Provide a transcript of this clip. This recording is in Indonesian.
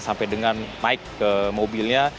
sampai dengan naik ke mobilnya